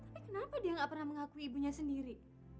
tapi kenapa dia nggak pernah mengakui ibunya sendiri